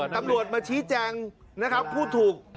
ตำรวจมาชี้แจงนะครับผู้ถูก